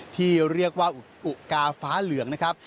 ที่เรียกว่าอุกาฟ้าเหลืองนะครับ